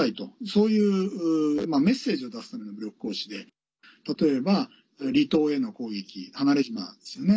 そういうメッセージを出すための武力行使で例えば離島への攻撃離れ島ですよね。